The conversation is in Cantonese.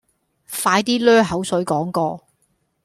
快啲 𦧲 口水講過